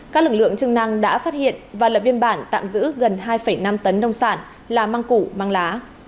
các lực lượng chức năng đã phát hiện và lập biên bản tạm giữ gần hai năm tấn nông sản là măng củ măng lá